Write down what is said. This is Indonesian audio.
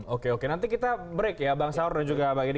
oke oke nanti kita break ya bang saur dan juga bang edi